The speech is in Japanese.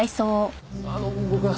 あの僕は。